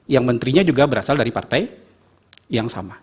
yang menterinya juga berasal dari partai yang sama